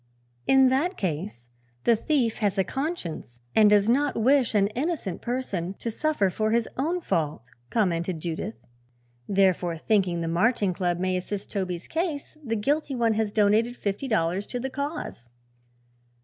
"In that case, the thief has a conscience and does not wish an innocent person to suffer for his own fault," commented Judith. "Therefore, thinking the Marching Club may assist Toby's case, the guilty one has donated fifty dollars to the cause."